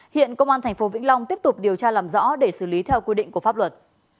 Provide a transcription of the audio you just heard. hiện công an tp vĩnh long tiếp tục điều tra làm rõ để xử lý theo quy định của pháp luật